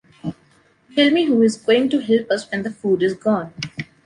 Tell me who is going to help us when the food is gone.